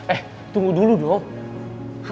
eh tunggu dulu dong